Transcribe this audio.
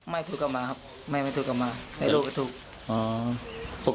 ไม่ถูกกับหมาครับไม่ถูกกับหมาไอ้ลูกก็ถูก